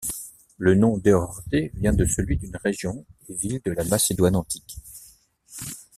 Le nom d'Éordée vient de celui d'une région et ville de la Macédoine antique.